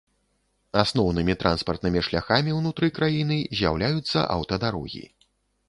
Асноўнымі транспартнымі шляхамі ўнутры краіны з'яўляюцца аўтадарогі.